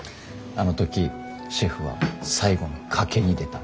あの時シェフは最後の賭けに出た。